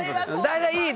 大体いい。